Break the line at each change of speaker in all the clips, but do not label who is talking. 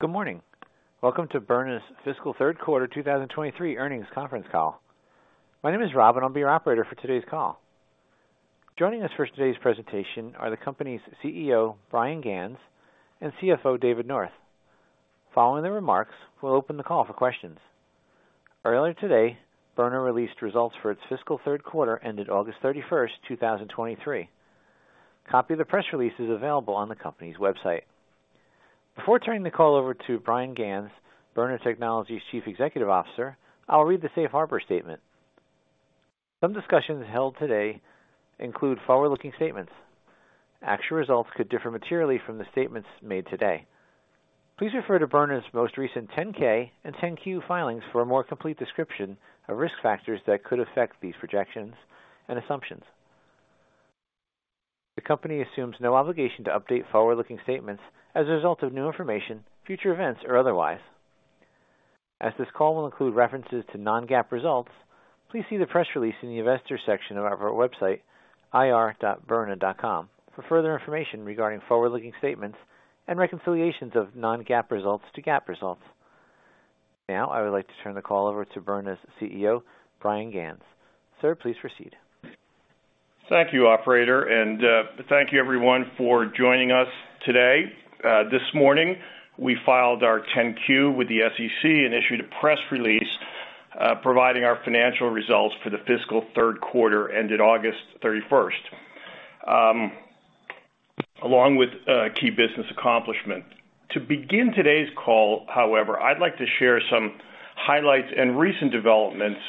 Good morning. Welcome to Byrna's Fiscal Third Quarter 2023 Earnings Conference Call. My name is Robin, I'll be your operator for today's call. Joining us for today's presentation are the company's CEO, Bryan Ganz, and CFO, David North. Following the remarks, we'll open the call for questions. Earlier today, Byrna released results for its fiscal third quarter, ended August 31, 2023. Copy of the press release is available on the company's website. Before turning the call over to Bryan Ganz, Byrna Technologies Chief Executive Officer, I'll read the safe harbor statement. Some discussions held today include forward-looking statements. Actual results could differ materially from the statements made today. Please refer to Byrna's most recent 10-K and 10-Q filings for a more complete description of risk factors that could affect these projections and assumptions. The company assumes no obligation to update forward-looking statements as a result of new information, future events, or otherwise. As this call will include references to non-GAAP results, please see the press release in the Investor section of our website, ir.byrna.com, for further information regarding forward-looking statements and reconciliations of non-GAAP results to GAAP results. Now, I would like to turn the call over to Byrna's CEO, Bryan Ganz. Sir, please proceed.
Thank you, operator, and thank you everyone for joining us today. This morning, we filed our 10-Q with the SEC and issued a press release providing our financial results for the fiscal third quarter ended August 31, along with key business accomplishments. To begin today's call, however, I'd like to share some highlights and recent developments,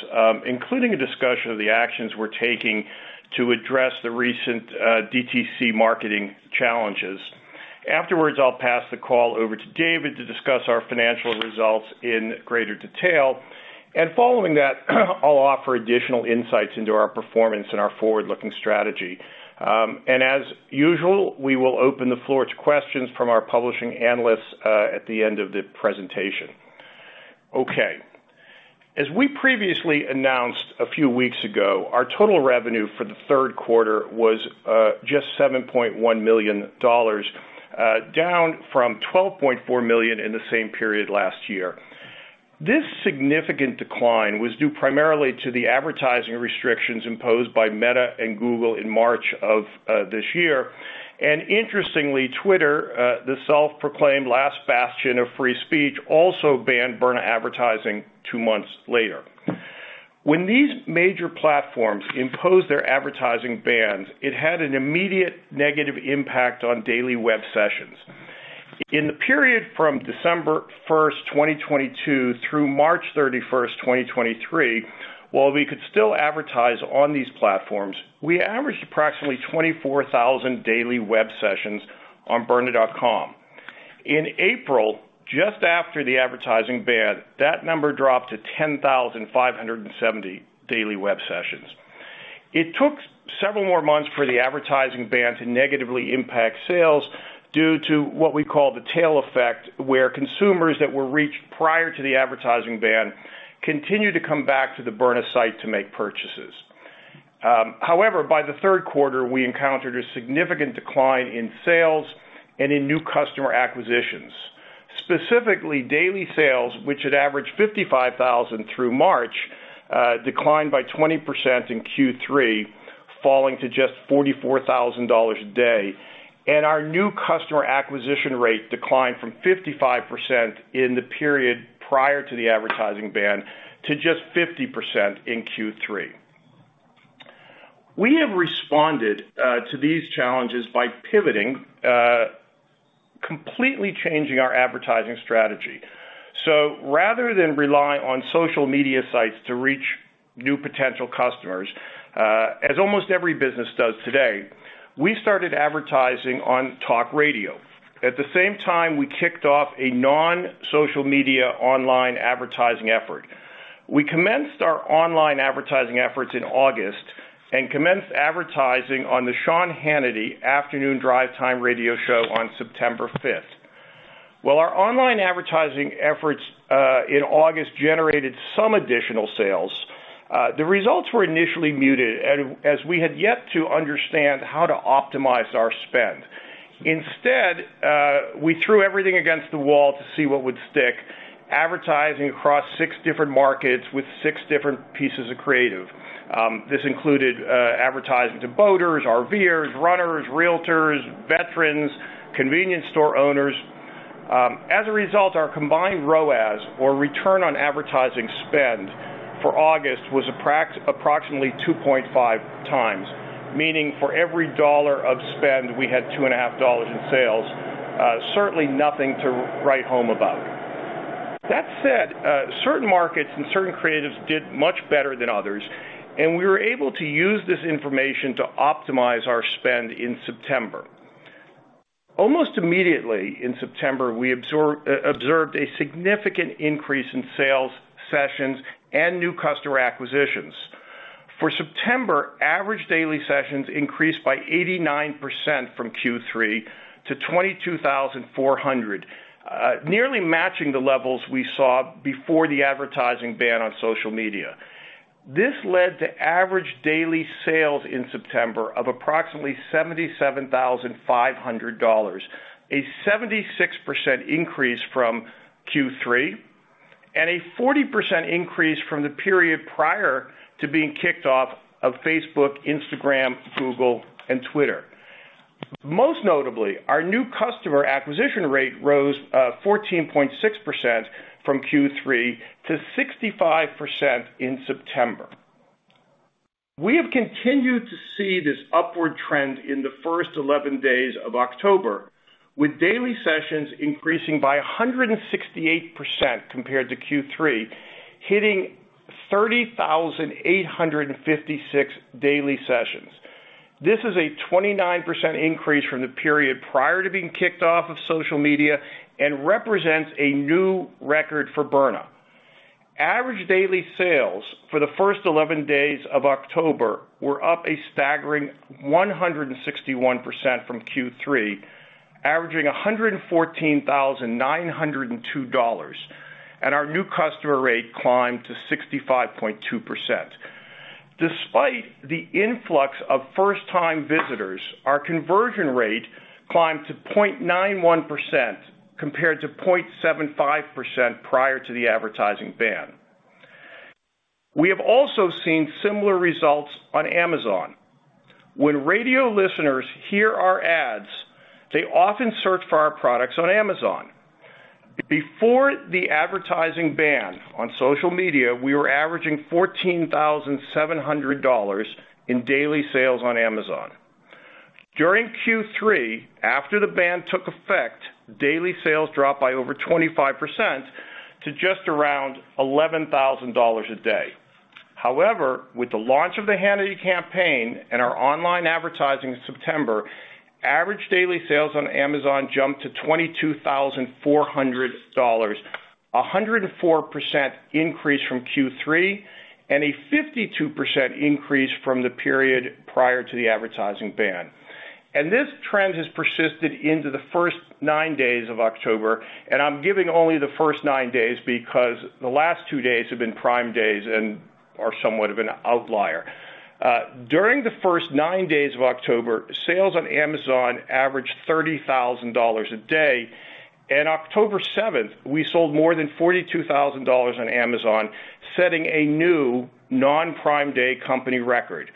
including a discussion of the actions we're taking to address the recent DTC marketing challenges. Afterwards, I'll pass the call over to David to discuss our financial results in greater detail. Following that, I'll offer additional insights into our performance and our forward-looking strategy. And as usual, we will open the floor to questions from our participating analysts at the end of the presentation. Okay. As we previously announced a few weeks ago, our total revenue for the third quarter was just $7.1 million, down from $12.4 million in the same period last year. This significant decline was due primarily to the advertising restrictions imposed by Meta and Google in March of this year. Interestingly, Twitter, the self-proclaimed last bastion of free speech, also banned Byrna advertising two months later. When these major platforms imposed their advertising bans, it had an immediate negative impact on daily web sessions. In the period from December first, 2022, through March thirty-first, 2023, while we could still advertise on these platforms, we averaged approximately 24,000 daily web sessions on byrna.com. In April, just after the advertising ban, that number dropped to 10,570 daily web sessions. It took several more months for the advertising ban to negatively impact sales due to what we call the tail effect, where consumers that were reached prior to the advertising ban continued to come back to the Byrna site to make purchases. However, by the third quarter, we encountered a significant decline in sales and in new customer acquisitions. Specifically, daily sales, which had averaged $55,000 through March, declined by 20% in Q3, falling to just $44,000 a day, and our new customer acquisition rate declined from 55% in the period prior to the advertising ban, to just 50% in Q3. We have responded to these challenges by pivoting, completely changing our advertising strategy. Rather than rely on social media sites to reach new potential customers, as almost every business does today, we started advertising on talk radio. At the same time, we kicked off a non-social media online advertising effort. We commenced our online advertising efforts in August and commenced advertising on the Sean Hannity afternoon drive time radio show on September 5. While our online advertising efforts in August generated some additional sales, the results were initially muted as we had yet to understand how to optimize our spend. Instead, we threw everything against the wall to see what would stick, advertising across six different markets with six different pieces of creative. This included advertising to boaters, RVers, runners, realtors, veterans, convenience store owners. As a result, our combined ROAS, or return on advertising spend, for August was approximately 2.5x, meaning for every $1 of spend, we had $2.5 in sales. Certainly nothing to write home about. That said, certain markets and certain creatives did much better than others, and we were able to use this information to optimize our spend in September. Almost immediately in September, we observed a significant increase in sales, sessions, and new customer acquisitions. For September, average daily sessions increased by 89% from Q3 to 22,400, nearly matching the levels we saw before the advertising ban on social media. This led to average daily sales in September of approximately $77,500, a 76% increase from Q3, and a 40% increase from the period prior to being kicked off of Facebook, Instagram, Google, and Twitter. Most notably, our new customer acquisition rate rose 14.6% from Q3 to 65% in September. We have continued to see this upward trend in the first 11 days of October, with daily sessions increasing by 168% compared to Q3, hitting 30,856 daily sessions. This is a 29% increase from the period prior to being kicked off of social media and represents a new record for Byrna. Average daily sales for the first 11 days of October were up a staggering 161% from Q3, averaging $114,902, and our new customer rate climbed to 65.2%. Despite the influx of first-time visitors, our conversion rate climbed to 0.91%, compared to 0.75% prior to the advertising ban. We have also seen similar results on Amazon. When radio listeners hear our ads, they often search for our products on Amazon. Before the advertising ban on social media, we were averaging $14,700 in daily sales on Amazon. During Q3, after the ban took effect, daily sales dropped by over 25% to just around $11,000 a day. However, with the launch of the Hannity campaign and our online advertising in September, average daily sales on Amazon jumped to $22,400, a 104% increase from Q3, and a 52% increase from the period prior to the advertising ban. This trend has persisted into the first 9 days of October, and I'm giving only the first 9 days because the last two days have been Prime Days and are somewhat of an outlier. During the first nine days of October, sales on Amazon averaged $30,000 a day, and October 7, we sold more than $42,000 on Amazon, setting a new non-Prime Day company record.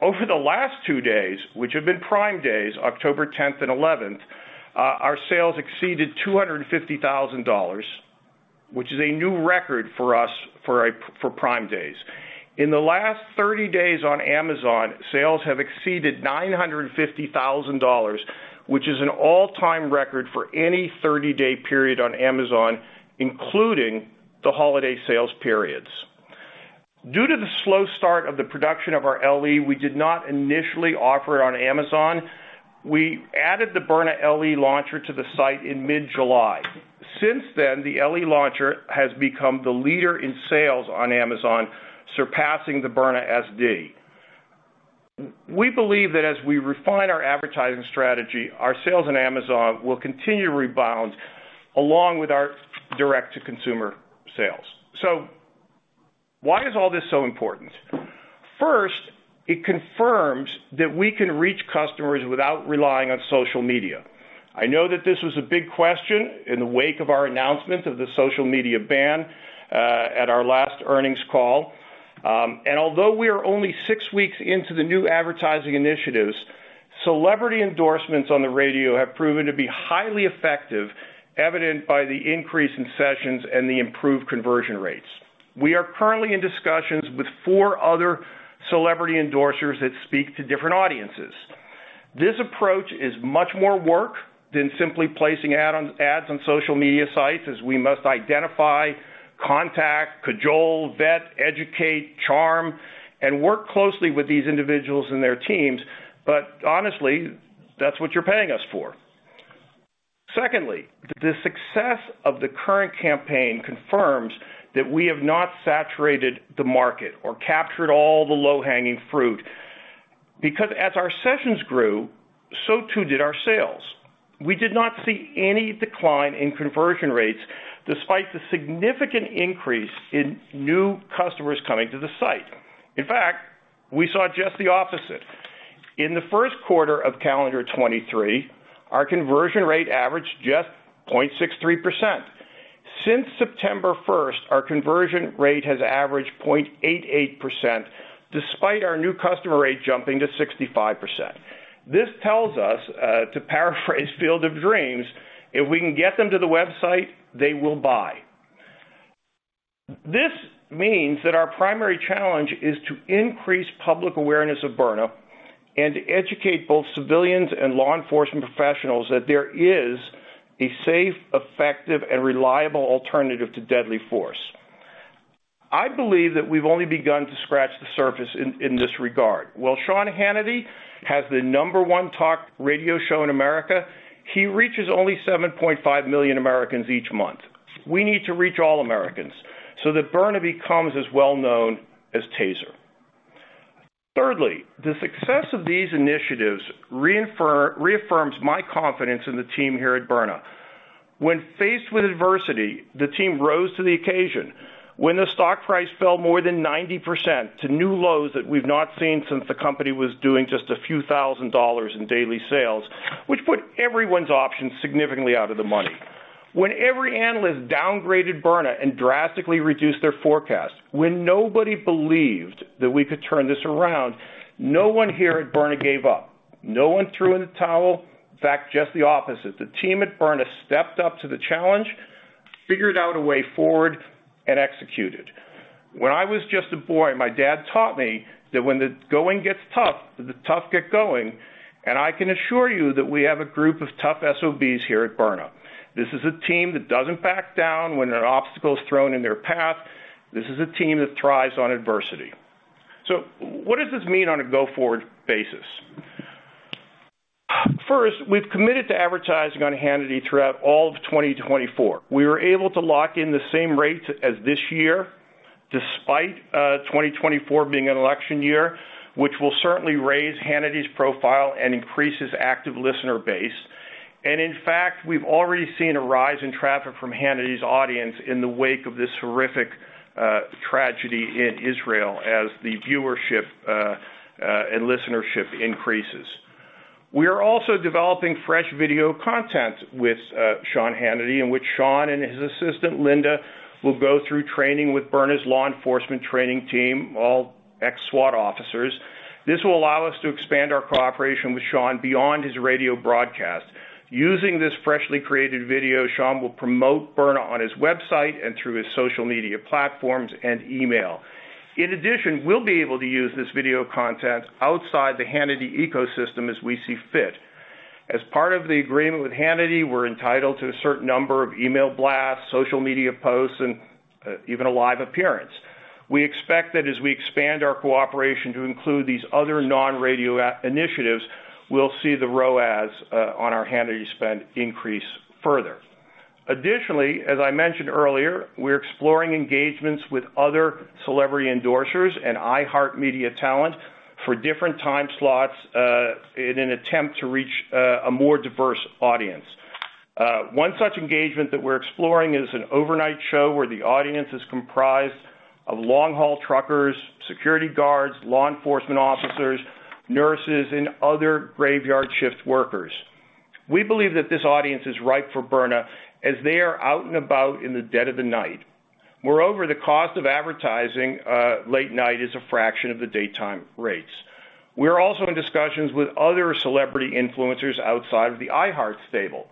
Over the last two days, which have been Prime Days, October 10 and 11, our sales exceeded $250,000, which is a new record for us for Prime Days. In the last 30 days on Amazon, sales have exceeded $950,000, which is an all-time record for any 30-day period on Amazon, including the holiday sales periods. Due to the slow start of the production of our LE, we did not initially offer it on Amazon. We added the Byrna LE launcher to the site in mid-July. Since then, the LE launcher has become the leader in sales on Amazon, surpassing the Byrna SD. We believe that as we refine our advertising strategy, our sales on Amazon will continue to rebound, along with our direct-to-consumer sales. Why is all this so important? First, it confirms that we can reach customers without relying on social media. I know that this was a big question in the wake of our announcement of the social media ban at our last earnings call. Although we are only six weeks into the new advertising initiatives, celebrity endorsements on the radio have proven to be highly effective, evident by the increase in sessions and the improved conversion rates. We are currently in discussions with four other celebrity endorsers that speak to different audiences. This approach is much more work than simply placing ads on social media sites, as we must identify, contact, cajole, vet, educate, charm, and work closely with these individuals and their teams. But honestly, that's what you're paying us for. Secondly, the success of the current campaign confirms that we have not saturated the market or captured all the low-hanging fruit, because as our sessions grew, so too did our sales. We did not see any decline in conversion rates, despite the significant increase in new customers coming to the site. In fact, we saw just the opposite. In the first quarter of calendar 2023, our conversion rate averaged just 0.63%. Since September 1, our conversion rate has averaged 0.88%, despite our new customer rate jumping to 65%. This tells us, to paraphrase Field of Dreams, "If we can get them to the website, they will buy." This means that our primary challenge is to increase public awareness of Byrna and to educate both civilians and law enforcement professionals that there is a safe, effective, and reliable alternative to deadly force. I believe that we've only begun to scratch the surface in this regard. While Sean Hannity has the number one talk radio show in America, he reaches only 7.5 million Americans each month. We need to reach all Americans so that Byrna becomes as well known as Taser. Thirdly, the success of these initiatives reaffirms my confidence in the team here at Byrna. When faced with adversity, the team rose to the occasion. When the stock price fell more than 90% to new lows that we've not seen since the company was doing just a few thousand dollars in daily sales, which put everyone's options significantly out of the money. When every analyst downgraded Byrna and drastically reduced their forecast, when nobody believed that we could turn this around, no one here at Byrna gave up. No one threw in the towel. In fact, just the opposite. The team at Byrna stepped up to the challenge, figured out a way forward, and executed. When I was just a boy, my dad taught me that when the going gets tough, the tough get going, and I can assure you that we have a group of tough SOBs here at Byrna. This is a team that doesn't back down when an obstacle is thrown in their path. This is a team that thrives on adversity. So what does this mean on a go-forward basis? First, we've committed to advertising on Hannity throughout all of 2024. We were able to lock in the same rates as this year, despite, 2024 being an election year, which will certainly raise Hannity's profile and increase his active listener base. In fact, we've already seen a rise in traffic from Hannity's audience in the wake of this horrific tragedy in Israel as the viewership and listenership increases. We are also developing fresh video content with Sean Hannity, in which Sean and his assistant, Linda, will go through training with Byrna's law enforcement training team, all ex-SWAT officers. This will allow us to expand our cooperation with Sean beyond his radio broadcast. Using this freshly created video, Sean will promote Byrna on his website and through his social media platforms and email. In addition, we'll be able to use this video content outside the Hannity ecosystem as we see fit. As part of the agreement with Hannity, we're entitled to a certain number of email blasts, social media posts, and even a live appearance. We expect that as we expand our cooperation to include these other non-radio initiatives, we'll see the ROAS on our Hannity spend increase further. Additionally, as I mentioned earlier, we're exploring engagements with other celebrity endorsers and iHeartMedia talent for different time slots in an attempt to reach a more diverse audience. One such engagement that we're exploring is an overnight show where the audience is comprised of long-haul truckers, security guards, law enforcement officers, nurses, and other graveyard shift workers. We believe that this audience is right for Byrna as they are out and about in the dead of the night. Moreover, the cost of advertising late night is a fraction of the daytime rates. We're also in discussions with other celebrity influencers outside of the iHeart stable.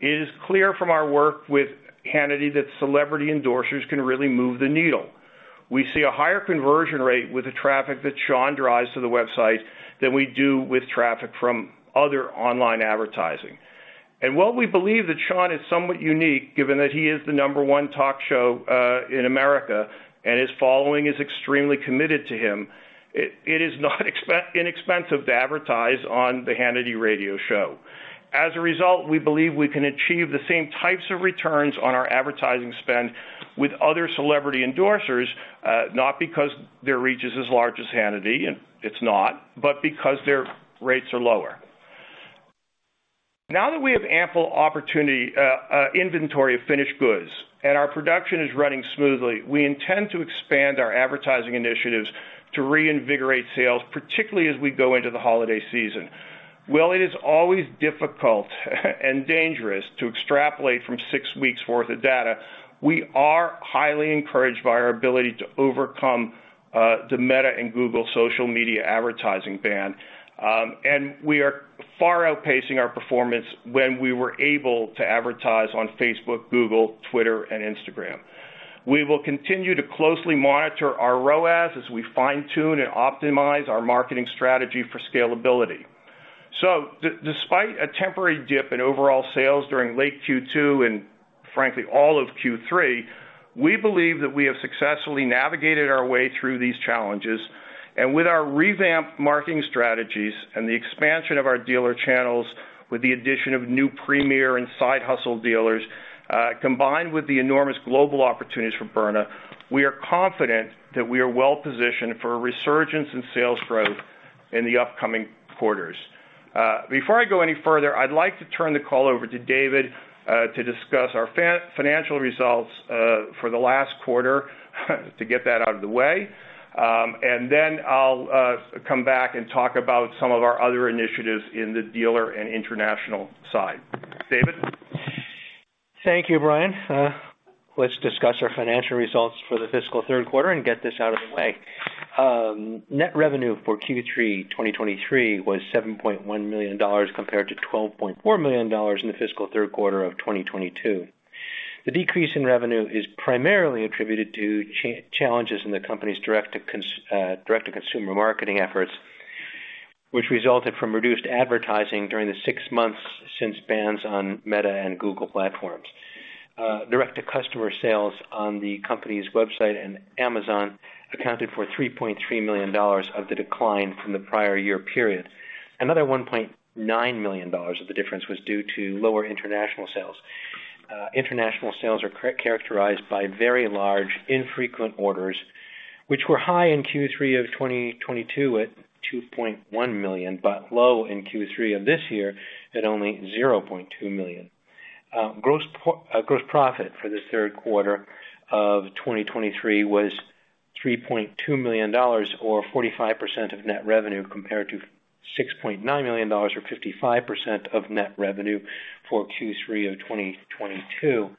It is clear from our work with Hannity that celebrity endorsers can really move the needle. We see a higher conversion rate with the traffic that Sean drives to the website than we do with traffic from other online advertising. And while we believe that Sean is somewhat unique, given that he is the number one talk show in America, and his following is extremely committed to him, it is not inexpensive to advertise on the Hannity Radio Show. As a result, we believe we can achieve the same types of returns on our advertising spend with other celebrity endorsers, not because their reach is as large as Hannity, and it's not, but because their rates are lower. Now that we have ample opportunity, inventory of finished goods and our production is running smoothly, we intend to expand our advertising initiatives to reinvigorate sales, particularly as we go into the holiday season. While it is always difficult and dangerous to extrapolate from six weeks worth of data, we are highly encouraged by our ability to overcome the Meta and Google social media advertising ban, and we are far outpacing our performance when we were able to advertise on Facebook, Google, Twitter, and Instagram. We will continue to closely monitor our ROAS as we fine-tune and optimize our marketing strategy for scalability. Despite a temporary dip in overall sales during late Q2, and frankly, all of Q3, we believe that we have successfully navigated our way through these challenges, and with our revamped marketing strategies and the expansion of our dealer channels, with the addition of new Premier and Side Hustle dealers, combined with the enormous global opportunities for Byrna, we are confident that we are well positioned for a resurgence in sales growth in the upcoming quarters. Before I go any further, I'd like to turn the call over to David to discuss our financial results for the last quarter, to get that out of the way. And then I'll come back and talk about some of our other initiatives in the dealer and international side. David?
Thank you, Bryan. Let's discuss our financial results for the fiscal third quarter and get this out of the way. Net revenue for Q3 2023 was $7.1 million, compared to $12.4 million in the fiscal third quarter of 2022. The decrease in revenue is primarily attributed to challenges in the company's direct-to-consumer marketing efforts, which resulted from reduced advertising during the six months since bans on Meta and Google platforms. Direct-to-consumer sales on the company's website and Amazon accounted for $3.3 million of the decline from the prior year period. Another $1.9 million of the difference was due to lower international sales. International sales are characterized by very large infrequent orders, which were high in Q3 of 2022 at $2.1 million, but low in Q3 of this year at only $0.2 million. Gross profit for the third quarter of 2023 was $3.2 million, or 45% of net revenue, compared to $6.9 million, or 55% of net revenue for Q3 of 2022.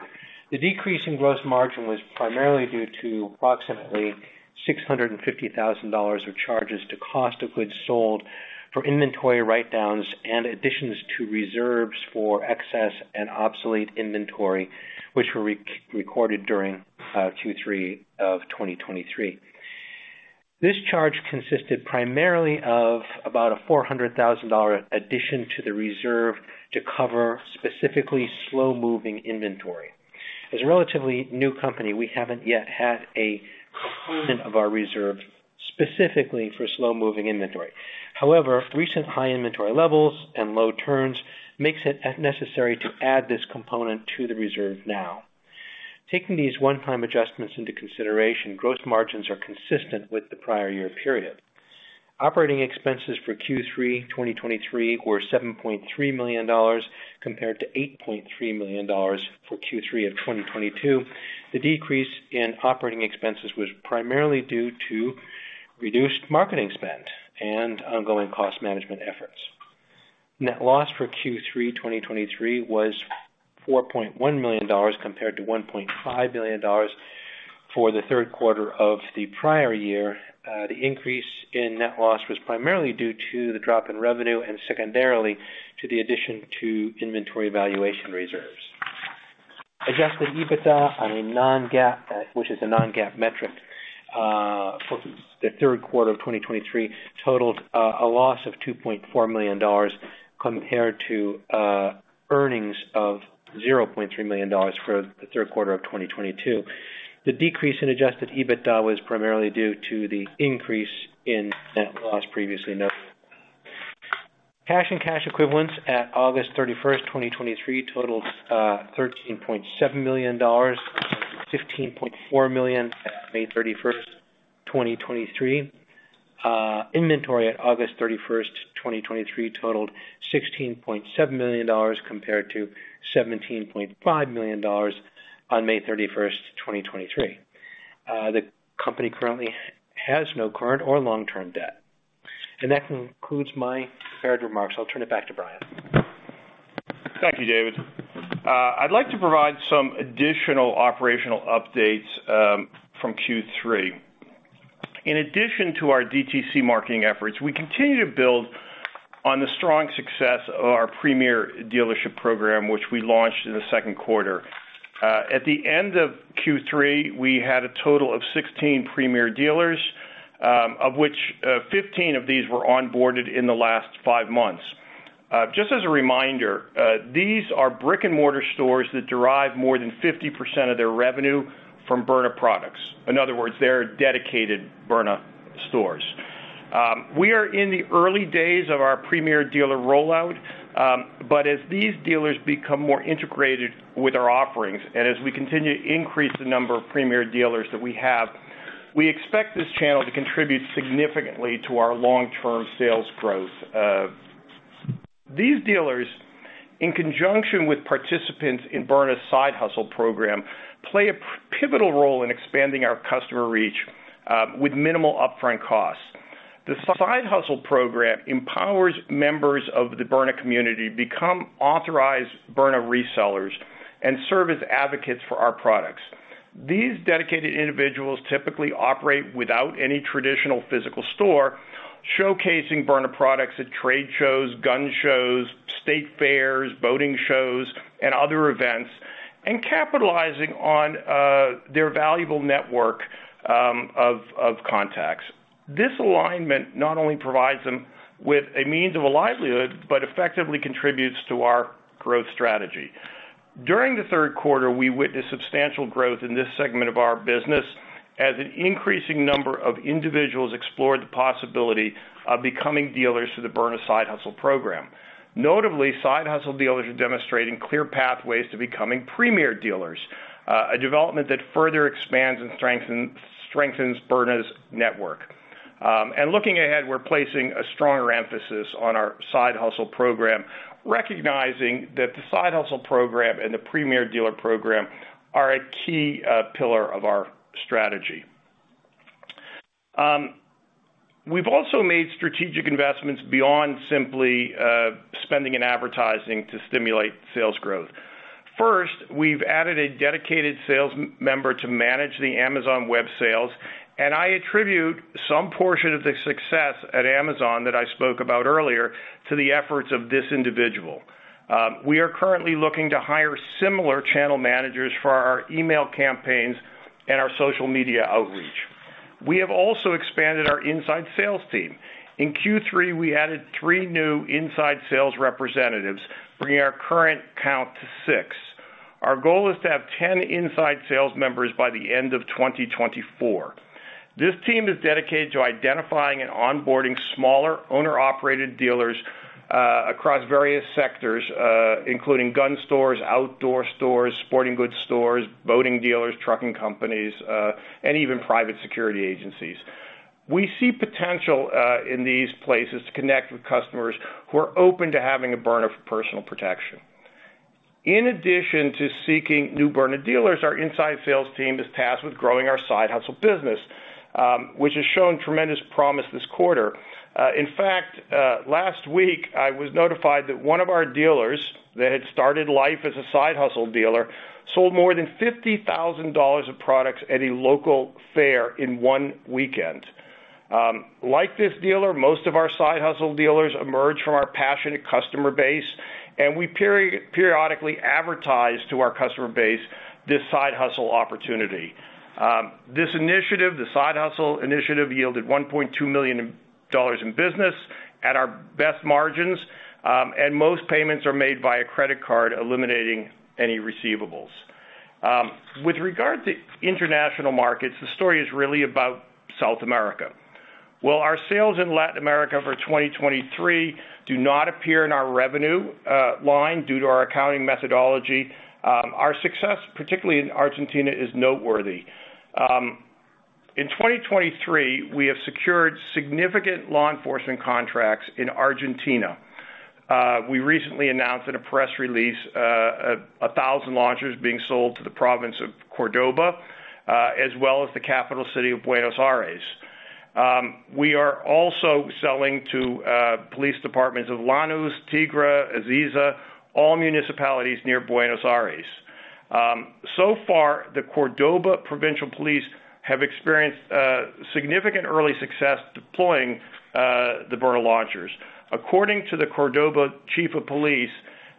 The decrease in gross margin was primarily due to approximately $650,000 of charges to cost of goods sold for inventory write-downs and additions to reserves for excess and obsolete inventory, which were recorded during Q3 of 2023. This charge consisted primarily of about a $400,000 addition to the reserve to cover specifically slow-moving inventory. As a relatively new company, we haven't yet had a component of our reserve, specifically for slow-moving inventory. However, recent high inventory levels and low turns makes it necessary to add this component to the reserve now. Taking these one-time adjustments into consideration, gross margins are consistent with the prior year period. Operating expenses for Q3 2023 were $7.3 million, compared to $8.3 million for Q3 of 2022. The decrease in operating expenses was primarily due to reduced marketing spend and ongoing cost management efforts. Net loss for Q3 2023 was $4.1 million, compared to $1.5 million for the third quarter of the prior year. The increase in net loss was primarily due to the drop in revenue and secondarily, to the addition to inventory valuation reserves. Adjusted EBITDA on a non-GAAP, which is a non-GAAP metric, for the third quarter of 2023, totaled a loss of $2.4 million, compared to earnings of $0.3 million for the third quarter of 2022. The decrease in adjusted EBITDA was primarily due to the increase in net loss previously noted. Cash and cash equivalents at August 31, 2023, totaled $13.7 million, $15.4 million at May 31, 2023. Inventory at August 31, 2023, totaled $16.7 million, compared to $17.5 million on May 31, 2023. The company currently has no current or long-term debt. That concludes my prepared remarks. I'll turn it back to Bryan.
Thank you, David. I'd like to provide some additional operational updates from Q3. In addition to our DTC marketing efforts, we continue to build on the strong success of our Premier Dealership Program, which we launched in the second quarter. At the end of Q3, we had a total of 16 Premier dealers, of which 15 of these were onboarded in the last five months. Just as a reminder, these are brick-and-mortar stores that derive more than 50% of their revenue from Byrna products. In other words, they're dedicated Byrna stores. We are in the early days of our Premier Dealer rollout, but as these dealers become more integrated with our offerings, and as we continue to increase the number of Premier dealers that we have, we expect this channel to contribute significantly to our long-term sales growth. These dealers, in conjunction with participants in Byrna's Side Hustle Program, play a pivotal role in expanding our customer reach, with minimal upfront costs. The Side Hustle Program empowers members of the Byrna community become authorized Byrna resellers and serve as advocates for our products. These dedicated individuals typically operate without any traditional physical store, showcasing Byrna products at trade shows, gun shows, state fairs, boating shows, and other events, and capitalizing on their valuable network of contacts. This alignment not only provides them with a means of a livelihood, but effectively contributes to our growth strategy. During the third quarter, we witnessed substantial growth in this segment of our business, as an increasing number of individuals explored the possibility of becoming dealers to the Byrna Side Hustle Program. Notably, Side Hustle dealers are demonstrating clear pathways to becoming Premier dealers, a development that further expands and strengthens Byrna's network. Looking ahead, we're placing a stronger emphasis on our Side Hustle program, recognizing that the Side Hustle program and the Premier Dealer program are a key pillar of our strategy. We've also made strategic investments beyond simply spending in advertising to stimulate sales growth. First, we've added a dedicated sales member to manage the Amazon web sales, and I attribute some portion of the success at Amazon that I spoke about earlier to the efforts of this individual. We are currently looking to hire similar channel managers for our email campaigns and our social media outreach. We have also expanded our inside sales team. In Q3, we added three new inside sales representatives, bringing our current count to six. Our goal is to have 10 inside sales members by the end of 2024. This team is dedicated to identifying and onboarding smaller owner-operated dealers across various sectors, including gun stores, outdoor stores, sporting goods stores, boating dealers, trucking companies, and even private security agencies. We see potential in these places to connect with customers who are open to having a Byrna for personal protection. In addition to seeking new Byrna dealers, our inside sales team is tasked with growing our Side Hustle business, which has shown tremendous promise this quarter. In fact, last week, I was notified that one of our dealers that had started life as a side hustle dealer sold more than $50,000 of products at a local fair in one weekend. Like this dealer, most of our Side Hustle dealers emerge from our passionate customer base, and we periodically advertise to our customer base this Side Hustle opportunity. This initiative, the Side Hustle initiative, yielded $1.2 million in business at our best margins. And most payments are made via credit card, eliminating any receivables. With regard to international markets, the story is really about South America. While our sales in Latin America for 2023 do not appear in our revenue line due to our accounting methodology, our success, particularly in Argentina, is noteworthy. In 2023, we have secured significant law enforcement contracts in Argentina. We recently announced in a press release a 1,000 launchers being sold to the province of Córdoba, as well as the capital city of Buenos Aires. We are also selling to police departments of Lanús, Tigre, Azul, all municipalities near Buenos Aires. So far, the Córdoba provincial police have experienced significant early success deploying the Byrna launchers. According to the Córdoba chief of police,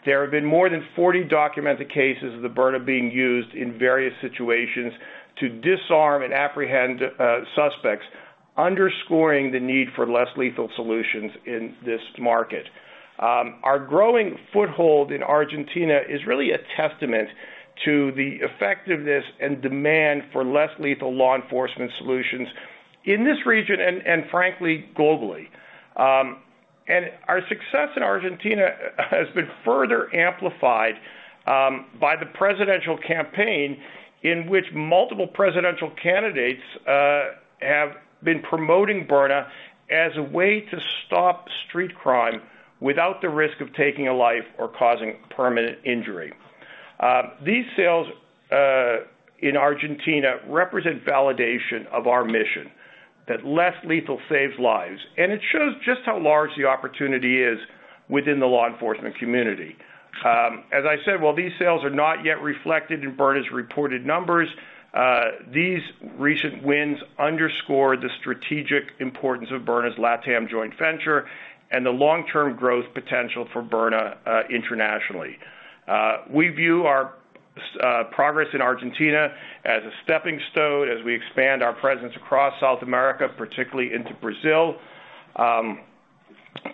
there have been more than 40 documented cases of the Byrna being used in various situations to disarm and apprehend suspects, underscoring the need for less lethal solutions in this market. Our growing foothold in Argentina is really a testament to the effectiveness and demand for less lethal law enforcement solutions in this region and frankly, globally. Our success in Argentina has been further amplified by the presidential campaign, in which multiple presidential candidates have been promoting Byrna as a way to stop street crime without the risk of taking a life or causing permanent injury. These sales in Argentina represent validation of our mission, that less lethal saves lives, and it shows just how large the opportunity is within the law enforcement community. As I said, while these sales are not yet reflected in Byrna's reported numbers, these recent wins underscore the strategic importance of Byrna's LATAM joint venture and the long-term growth potential for Byrna internationally. We view our progress in Argentina as a stepping stone as we expand our presence across South America, particularly into Brazil,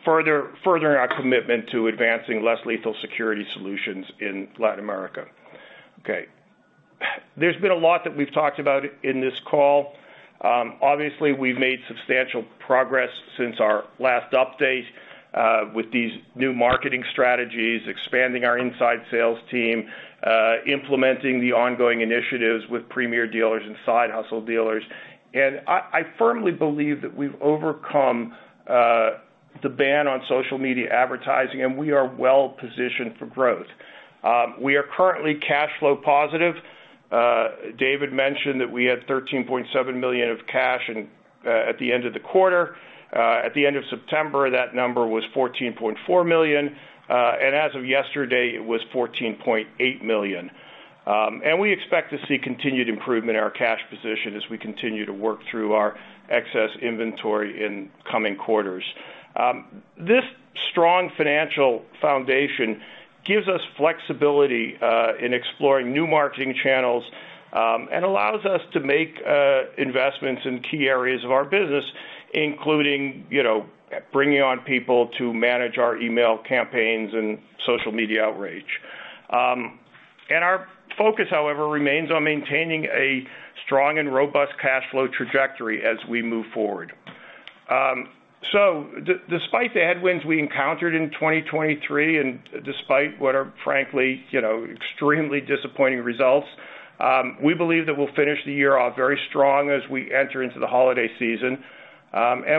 furthering our commitment to advancing less lethal security solutions in Latin America. There's been a lot that we've talked about in this call. Obviously, we've made substantial progress since our last update with these new marketing strategies, expanding our inside sales team, implementing the ongoing initiatives with premier dealers and Side Hustle dealers. I firmly believe that we've overcome the ban on social media advertising, and we are well positioned for growth. We are currently cash flow positive. David mentioned that we had $13.7 million of cash at the end of the quarter. At the end of September, that number was $14.4 million, and as of yesterday, it was $14.8 million. We expect to see continued improvement in our cash position as we continue to work through our excess inventory in coming quarters. This strong financial foundation gives us flexibility in exploring new marketing channels and allows us to make investments in key areas of our business, including, you know, bringing on people to manage our email campaigns and social media outreach. Our focus, however, remains on maintaining a strong and robust cash flow trajectory as we move forward. Despite the headwinds we encountered in 2023, and despite what are frankly, you know, extremely disappointing results, we believe that we'll finish the year off very strong as we enter into the holiday season.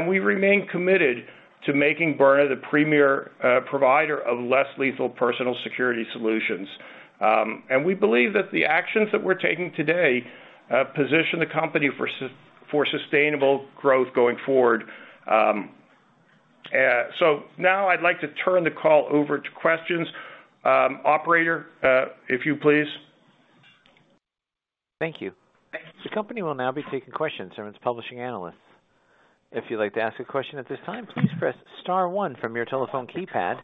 We remain committed to making Byrna the premier, provider of less lethal personal security solutions. We believe that the actions that we're taking today position the company for sustainable growth going forward. Now I'd like to turn the call over to questions. Operator, if you please.
Thank you. The company will now be taking questions from its publishing analysts. If you'd like to ask a question at this time, please press star one from your telephone keypad,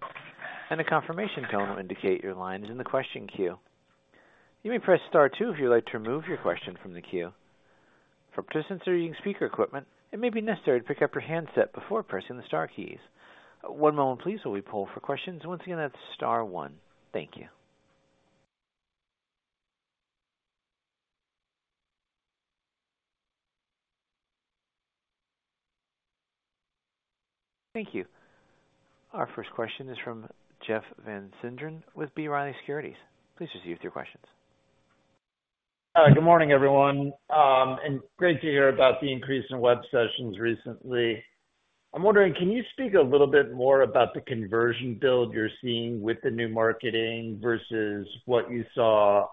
and a confirmation tone will indicate your line is in the question queue. You may press star two if you'd like to remove your question from the queue. For participants using speaker equipment, it may be necessary to pick up your handset before pressing the star keys. One moment please, while we poll for questions. Once again, that's star one. Thank you. Thank you. Our first question is from Jeff Van Sinderen with B. Riley Securities. Please proceed with your questions.
Good morning, everyone, and great to hear about the increase in web sessions recently. I'm wondering, can you speak a little bit more about the conversion build you're seeing with the new marketing versus what you saw,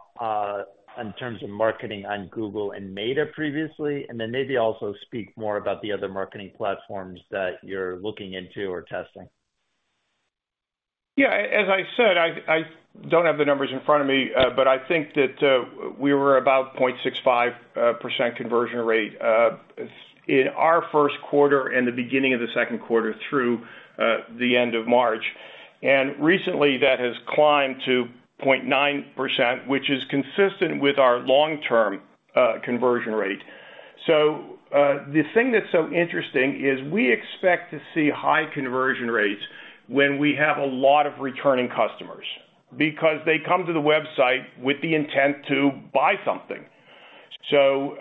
in terms of marketing on Google and Meta previOusly? And then maybe also speak more about the other marketing platforms that you're looking into or testing.
Yeah, as I said, I don't have the numbers in front of me, but I think that we were about 0.65% conversion rate in our first quarter and the beginning of the second quarter through the end of March. And recently, that has climbed to 0.9%, which is consistent with our long-term conversion rate. So, the thing that's so interesting is we expect to see high conversion rates when we have a lot of returning customers, because they come to the website with the intent to buy something. So,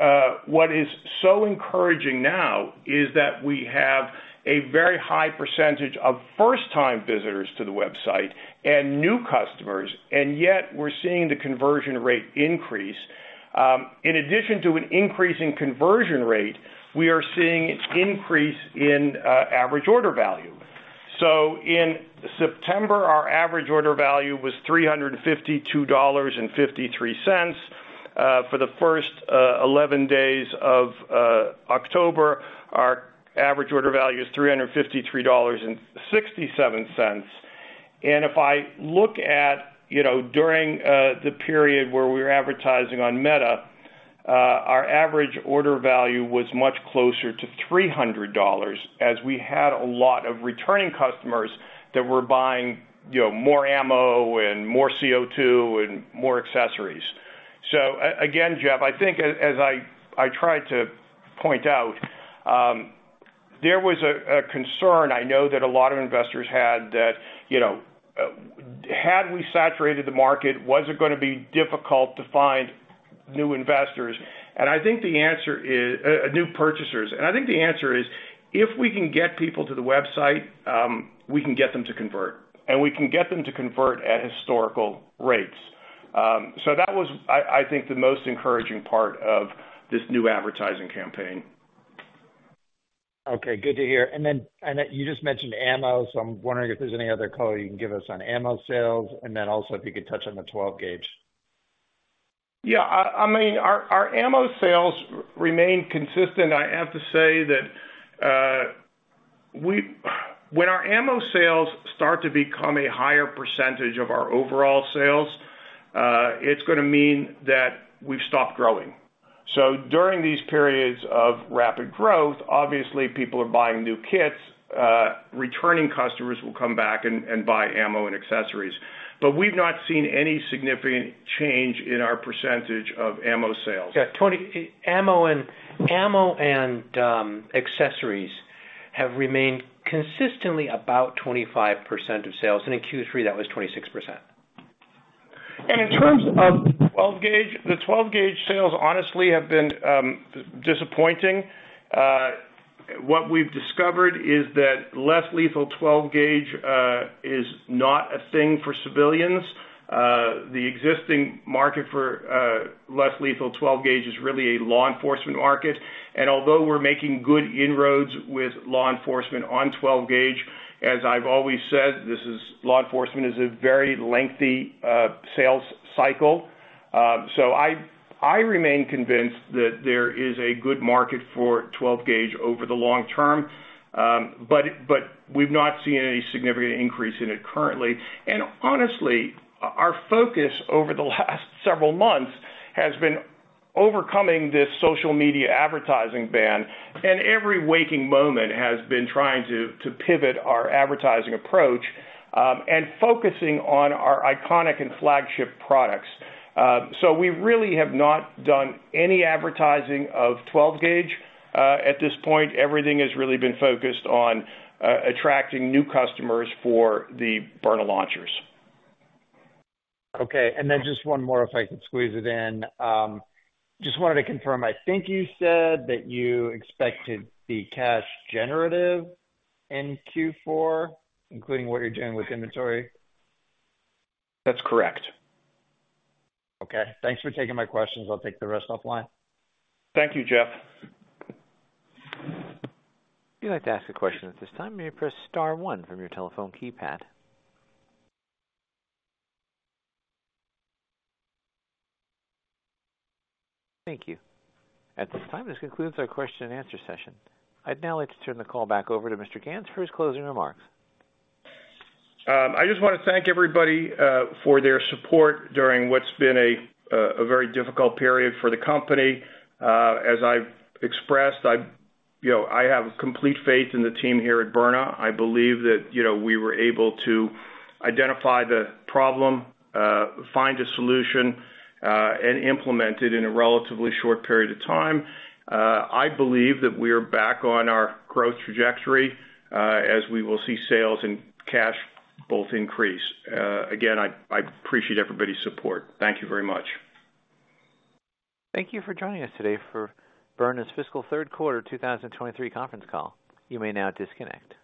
what is so encouraging now is that we have a very high percentage of first-time visitors to the website and new customers, and yet we're seeing the conversion rate increase. In addition to an increase in conversion rate, we are seeing an increase in average order value. So in September, our average order value was $352.53. For the first 11 days of October, our average order value is $353.67. And if I look at, you know, during the period where we were advertising on Meta, our average order value was much closer to $300, as we had a lot of returning customers that were buying, you know, more ammo and more CO2 and more accessories. So again, Jeff, I think as I tried to point out, there was a concern I know that a lot of investors had, that you know had we saturated the market, was it gonna be difficult to find new investors? And I think the answer is... new purchasers. And I think the answer is, if we can get people to the website, we can get them to convert, and we can get them to convert at historical rates. So that was, I think, the most encouraging part of this new advertising campaign.
Okay, good to hear. And then you just mentioned ammo, so I'm wondering if there's any other color you can give us on ammo sales, and then also if you could touch on the 12 gauge.
Yeah, I mean, our ammo sales remain consistent. I have to say that, when our ammo sales start to become a higher percentage of our overall sales, it's gonna mean that we've stopped growing. So during these periods of rapid growth, obviously, people are buying new kits. Returning customers will come back and buy ammo and accessories. But we've not seen any significant change in our percentage of ammo sales.
Yeah, Tony, ammo and accessories have remained consistently about 25% of sales, and in Q3, that was 26%.
And in terms of the 12-gauge, the 12-gauge sales honestly have been disappointing. What we've discovered is that less lethal 12-gauge is not a thing for civilians. The existing market for less lethal 12-gauge is really a law enforcement market, and although we're making good inroads with law enforcement on 12-gauge, as I've always said, this is, law enforcement is a very lengthy sales cycle. So I remain convinced that there is a good market for 12-gauge over the long term, but we've not seen any significant increase in it currently. And honestly, our focus over the last several months has been overcoming this social media advertising ban, and every waking moment has been trying to pivot our advertising approach, and focusing on our iconic and flagship products. We really have not done any advertising of 12 gauge. At this point, everything has really been focused on attracting new customers for the Byrna launchers.
Okay, and then just one more, if I could squeeze it in. Just wanted to confirm, I think you said that you expected to be cash generative in Q4, including what you're doing with inventory?
That's correct.
Okay, thanks for taking my questions. I'll take the rest offline.
Thank you, Jeff.
If you'd like to ask a question at this time, you may press star one from your telephone keypad. Thank you. At this time, this concludes our question and answer session. I'd now like to turn the call back over to Mr. Ganz for his closing remarks.
I just want to thank everybody for their support during what's been a very difficult period for the company. As I've expressed, you know, I have complete faith in the team here at Byrna. I believe that, you know, we were able to identify the problem, find a solution, and implement it in a relatively short period of time. I believe that we are back on our growth trajectory as we will see sales and cash both increase. Again, I appreciate everybody's support. Thank you very much.
Thank you for joining us today for Byrna's fiscal third quarter 2023 conference call. You may now disconnect.